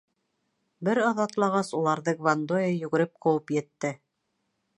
Бер аҙ атлағас, уларҙы Гвандоя йүгереп ҡыуып етте.